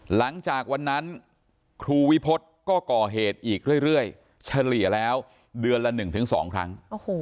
หลังจากวันนั้นครูวิพฤษก็ก่อเหตุอีกเรื่อยเฉลี่ยแล้วเดือนละ๑๒ครั้ง